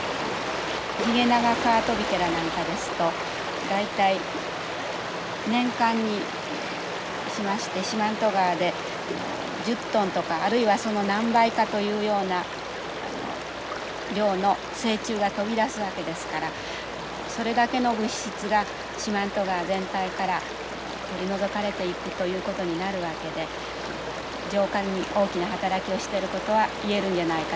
ヒゲナガカワトビケラなんかですと大体年間にしまして四万十川で１０トンとかあるいはその何倍かというような量の成虫が飛び出すわけですからそれだけの物質が四万十川全体から取り除かれていくということになるわけで浄化に大きな働きをしていることは言えるんじゃないかと。